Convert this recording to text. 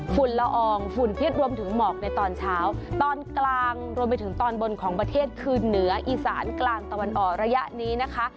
ละอองฝุ่นพิษรวมถึงหมอกในตอนเช้าตอนกลางรวมไปถึงตอนบนของประเทศคือเหนืออีสานกลางตะวันออกระยะนี้นะคะ